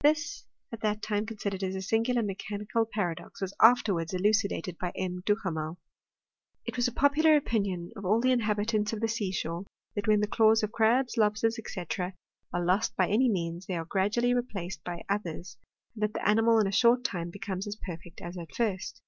This, at that time considered as a sin gular mechanical paradox, was afterwards elucidated by M. Duhamel. It was a popular opinion of all the inhabitants of the sea shore, that when the claws of crabs, lobsters, &c., are lost by any means, they are gradually replaced by others, and the animal in a short time becomes as perfect as at first.